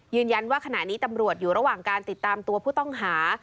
ยืนยันว่าขณะนี้ตำรวจอยู่ระหว่างการติดตามตัวผู้ต้องหา